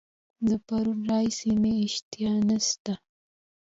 د پرون راهیسي مي اشتها نسته.